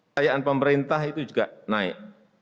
kayaan pemerintah itu juga naik